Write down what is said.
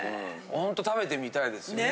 ほんと食べてみたいですよね。